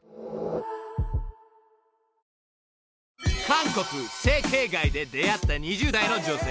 ［韓国・整形街で出会った２０代の女性］